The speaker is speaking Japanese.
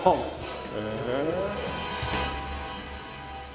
へえ。